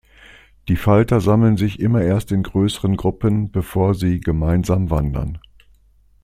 Die Falter sammeln sich immer erst in größeren Gruppen, bevor sie gemeinsam wandern.